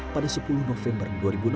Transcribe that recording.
pada sepuluh november dua ribu enam belas